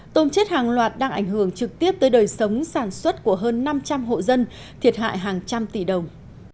tôm chết hàng loạt đang ảnh hưởng trực tiếp tới đời sống sản xuất của hơn năm trăm linh hộ dân thiệt hại hàng trăm tỷ đồng